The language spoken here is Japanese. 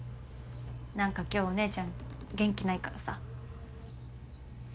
何か今日お姉ちゃん元気ないからさ。